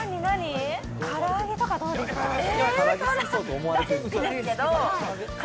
から揚げとかどうですか？